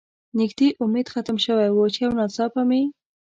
نږدې امید ختم شوی و، چې یو ناڅاپه مې.